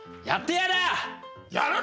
やってやらあ！